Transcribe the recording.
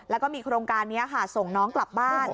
แล้วก็มีโครงการนี้ค่ะส่งน้องกลับบ้าน